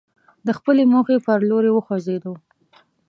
د خپلې موخې پر لوري وخوځېدو.